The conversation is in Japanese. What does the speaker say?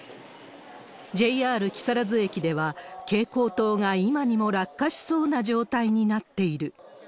ＪＲ木更津駅では、蛍光灯が今にも落下しそうな状態になっている。